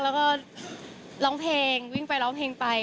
แล้วก็ร้องเพลงวิ่งไปร้องเพลงไป